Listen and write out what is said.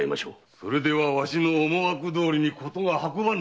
それではわしの思惑どおり事が運ばぬ！